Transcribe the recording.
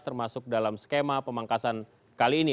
termasuk dalam skema pemangkasan kali ini